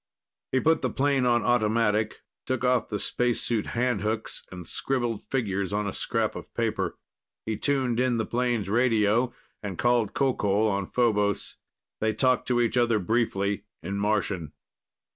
He put the plane on automatic, took off the spacesuit handhooks and scribbled figures on a scrap of paper. He tuned in the plane's radio and called Qoqol on Phobos. They talked to each other briefly in Martian.